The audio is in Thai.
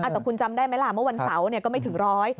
แต่คุณจำได้ไหมล่ะเมื่อวันเสาร์ก็ไม่ถึงร้อย